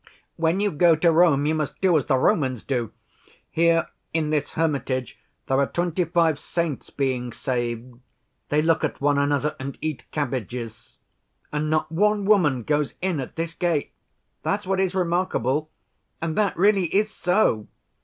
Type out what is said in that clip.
"When you go to Rome you must do as the Romans do. Here in this hermitage there are twenty‐five saints being saved. They look at one another, and eat cabbages. And not one woman goes in at this gate. That's what is remarkable. And that really is so.